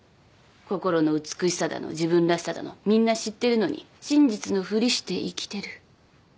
心の美しさだの自分らしさだのみんな知ってるのに真実のふりして生きてる。